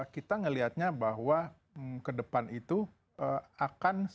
kita melihatnya bahwa ke depan itu akan semakin cepat